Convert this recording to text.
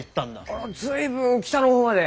あ随分北の方まで。